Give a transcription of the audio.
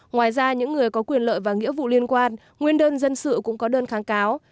ngoài ra những người có quyền lợi và nghĩa vụ liên quan nguyên đơn dân sự cũng có đơn kháng cáo